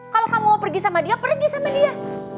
kalau kamu mau pergi sama dia pergi sama dia